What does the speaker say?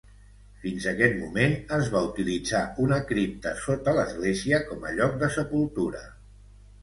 Fins aquest moment, es va utilitzar una cripta sota l'església com a lloc de sepultura.